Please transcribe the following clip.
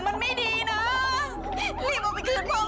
รีบเอาไปคืนพ่อแม่กันเลยไป